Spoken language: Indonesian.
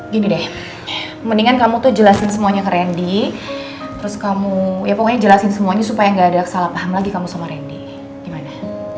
gini deh mendingan kamu tuh jelasin semuanya ke randy terus kamu ya pokoknya jelasin semuanya supaya gak ada salah paham lagi kamu sama randy gimana